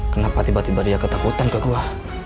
kenapa tiba tiba dia ketakutan ke gua